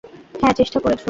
হ্যাঁ, চেষ্টা করেছ।